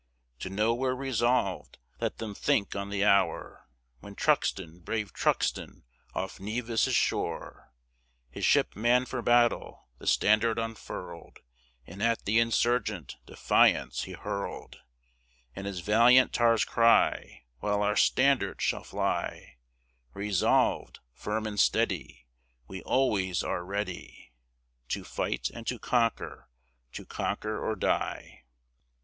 To know we're resolved, let them think on the hour, When Truxton, brave Truxton off Nevis's shore, His ship mann'd for battle, the standard unfurl'd, And at the Insurgente defiance he hurled; And his valiant tars cry, While our standard shall fly, Resolved, firm, and steady, We always are ready To fight, and to conquer, to conquer or die.